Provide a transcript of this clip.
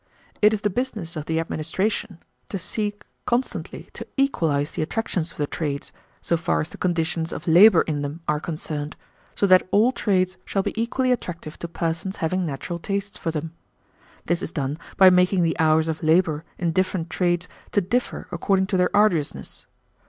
It is the business of the administration to seek constantly to equalize the attractions of the trades, so far as the conditions of labor in them are concerned, so that all trades shall be equally attractive to persons having natural tastes for them. This is done by making the hours of labor in different trades to differ according to their arduousness.